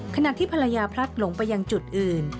ขณะที่ภรรยาพลัดหลงไปยังจุดอื่น